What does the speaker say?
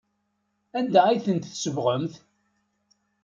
Anda ay tent-tsebɣemt?